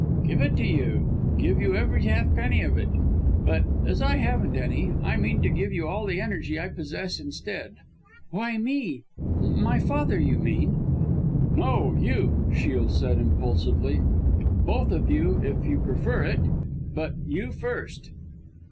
"Give it to you! Give you every halfpenny of it! But as I haven't any, I mean to give you all the energy I possess instead." "Why me? My father you mean!" "No, you!" Shiel said impulsively, "both of you if you prefer it, but you first."